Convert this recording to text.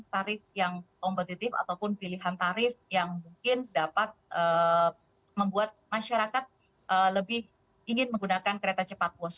tarif yang kompetitif ataupun pilihan tarif yang mungkin dapat membuat masyarakat lebih ingin menggunakan kereta cepat bus